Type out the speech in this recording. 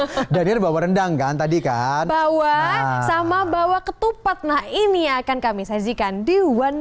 hai daniel bawa rendang kan tadi kan bawa sama bawa ketupat nah ini akan kami sajikan di one